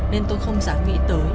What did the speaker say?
nên tôi không dám nghĩ tới